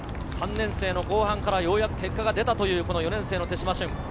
３年生の後半からようやく結果が出たという４年生の手島駿。